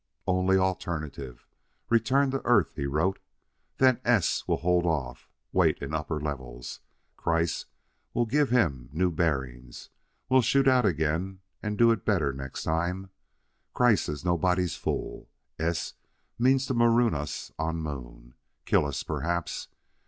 "Only alternative: return to Earth," he wrote. "Then S will hold off; wait in upper levels. Kreiss will give him new bearings. We'll shoot out again and do it better next time. Kreiss is nobody's fool. S means to maroon us on Moon kill us perhaps.